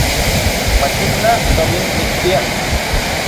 Machitlaj tomin nikpia.